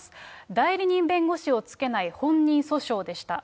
代理人弁護士をつけない本人訴訟でした。